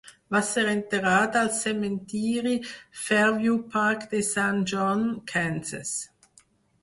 Va ser enterrada al cementiri Fairview Park de Saint John, Kansas.